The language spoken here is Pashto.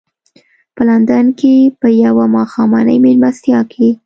په لندن کې په یوه ماښامنۍ مېلمستیا کې.